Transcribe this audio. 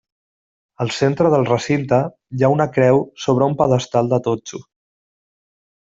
Al centre del recinte hi ha una creu sobre un pedestal de totxo.